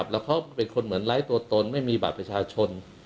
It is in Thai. แล้วเขาเป็นคนเหมือนไร้ตัวตนไม่มีบัตรประชาชน